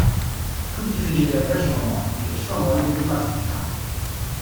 Tutti i figli del re sono morti e sua moglie è "dipartita".